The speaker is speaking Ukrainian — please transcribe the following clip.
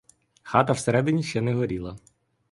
Хата всередині ще не горіла.